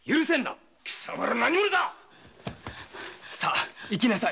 何者だ⁉さあ行きなさい。